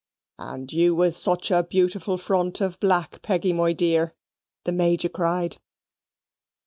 "And you with such a beautiful front of black, Peggy, my dear," the Major cried.